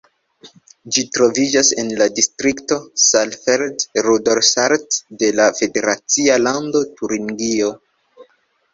Ĝi troviĝas en la distrikto Saalfeld-Rudolstadt de la federacia lando Turingio.